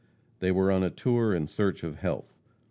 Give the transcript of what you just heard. They were on a tour in search of health.